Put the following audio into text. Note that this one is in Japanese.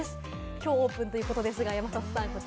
今日オープンということですが、山里さん。